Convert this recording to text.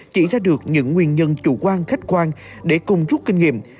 chỉ ra được những nguyên nhân chủ quan khách quan để cùng rút kinh nghiệm